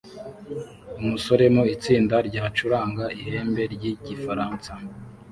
Umusore mu itsinda ryacuranga Ihembe ryigifaransa